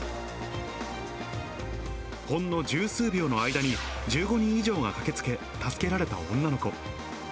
ほんの十数秒の間に１５人以上が駆けつけ、助けられた女の子。